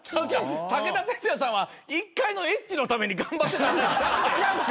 武田鉄矢さんは１回のエッチのために頑張ってたんちゃうねん。